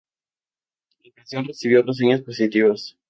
La canción recibió reseñas positivas.